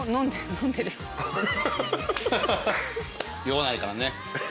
酔わないからね。